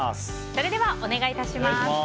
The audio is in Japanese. それではお願い致します。